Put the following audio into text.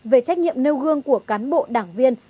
về trách nhiệm nêu gương của cán bộ đảng viên